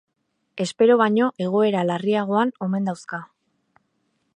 Espero baino egoera larriagoan omen dauzka.